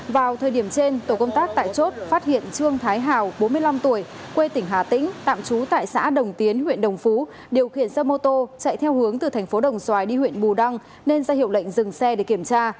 vào thời điểm trên tổ công tác tại chốt phát hiện trương thái hào bốn mươi năm tuổi quê tỉnh hà tĩnh tạm trú tại xã đồng tiến huyện đồng phú điều khiển xe mô tô chạy theo hướng từ thành phố đồng xoài đi huyện bù đăng nên ra hiệu lệnh dừng xe để kiểm tra